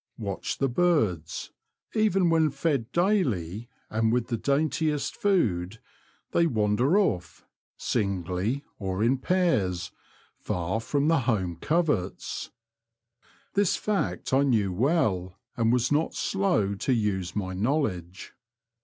Watch the birds : even when fed daily, and with the daintiest food, they wander off, singly or in pairs, far from ihe home coverts. This fact I knew well, and was not slow to use my knowledge.